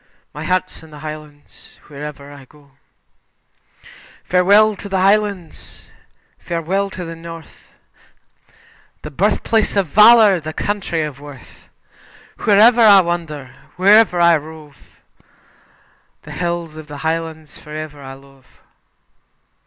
My Heart's In The Highlands Tune "Failte na Miosg." Farewell to the Highlands, farewell to the North, The birth place of Valour, the country of Worth; Wherever I wander, wherever I rove, The hills of the Highlands for ever I love.